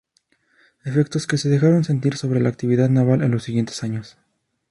Efectos que se dejaron sentir sobre la actividad naval en los siguientes años.